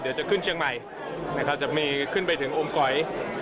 เดี๋ยวจะขึ้นเชียงใหม่นะครับจะมีขึ้นไปถึงอมก๋อย